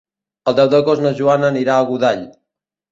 El deu d'agost na Joana anirà a Godall.